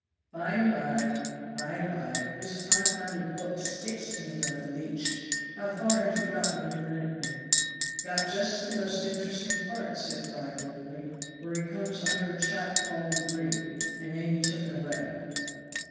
"By and by by and by. This confounded book sticks to me like a leech. How far had you got when you lent it me?" "Got just to the most interesting part," said Fry dolefully, "where he comes under a chap called Legree; and then you took it away."